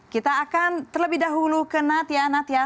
kita akan terlebih dahulu ke natya